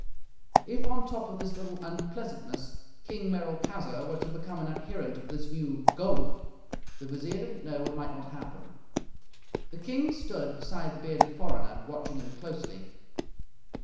If, on top of this little unpleasantness, King Merolchazzar were to become an adherent of this new Gowf, the Vizier did not know what might not happen. The King stood beside the bearded foreigner, watching him closely.